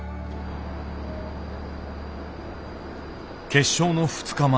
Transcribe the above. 決勝の２日前。